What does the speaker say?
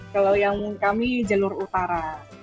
kalau yang kami jalur utara